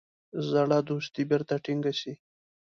زړه دوستي بیرته ټینګه سي.